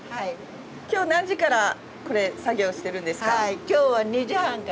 今日何時からこれ作業してるんですか？